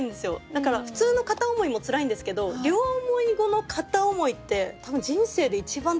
だから普通の片思いもツラいんですけど両思い後の片思いって多分人生で一番ツラいんじゃないかな。